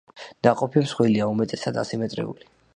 ნაყოფი მსხვილია, უმეტესად ასიმეტრიული.